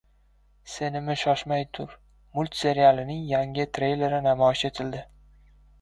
“Senimi, shoshmay tur!” multserialining yangi treyleri namoyish etildi